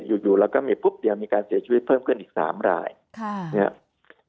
อยู่อยู่เราก็มีปุ๊บเดี๋ยวมีการเสียชีวิตเพิ่มขึ้นอีกสามรายค่ะเนี้ย